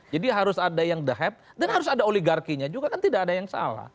jadi harus ada yang the have dan harus ada oligarkinya juga kan tidak ada yang salah